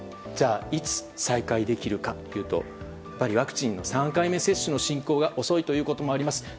じゃあいつ再開できるかというとワクチンの３回目接種の進行が遅いということもあります。